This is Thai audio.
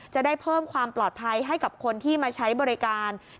จะได้เพิ่มความปลอดภัยให้กับคนที่มาใช้บริการ